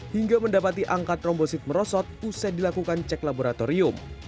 hingga mendapati angka trombosit merosot usai dilakukan cek laboratorium